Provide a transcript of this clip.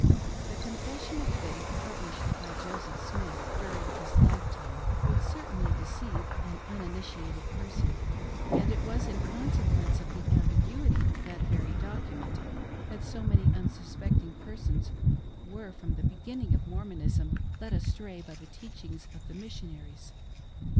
The confession of faith published by Joseph Smith during his life time would certainly deceive an uninitiated person ; and it was in consequence of the ambiguity of that very document that so many unsuspecting persons were from the beginning of Mormonism led astray by the teachings of the Mission aries.